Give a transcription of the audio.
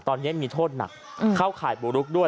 ตอนนี้มีโทษหนักเข้าข่ายบุกรุกด้วย